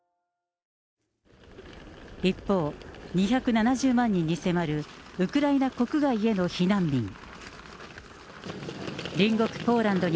一方、２７０万人に迫るウクライナ国外への避難民。